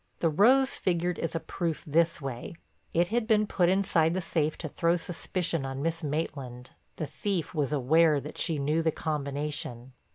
The rose figured as a proof this way: It had been put inside the safe to throw suspicion on Miss Maitland, the thief was aware that she knew the combination.